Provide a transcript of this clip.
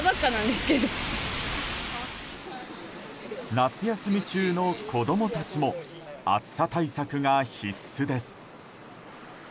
夏休み中の子供たちも暑さ対策が必須です。